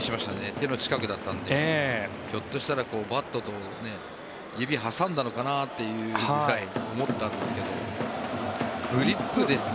手の近くだったのでひょっとしたらバットと指挟んだのかなと思いましたがグリップですね。